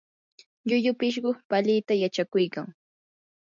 llullu pishqu palita yachakuykan.